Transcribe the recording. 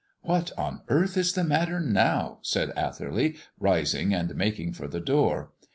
"What on earth is the matter now?" said Atherley, rising and making for the door.